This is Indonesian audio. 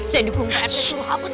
saya dukung pak rete